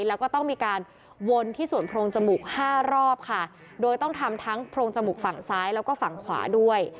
แล้วก็ต้องมีการวนที่ส่วนโพรงจมูกห้ารอบค่ะโดยต้องทำทั้งโพรงจมูกฝั่งซ้ายแล้วก็ฝั่งขวาด้วย